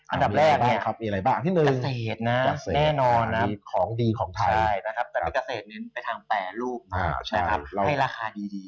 อันดับแรกเนี่ยกระเศษนะแน่นอนนะของดีของไทยแต่กระเศษนั้นไปทางแปรรูปให้ราคาดี